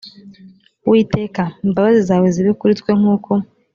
uwiteka imbabazi zawe zibe kuri twe nk uko